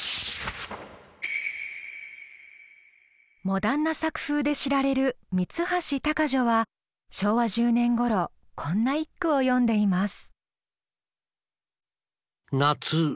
モダンな作風で知られる三橋鷹女は昭和１０年ごろこんな一句を詠んでいます。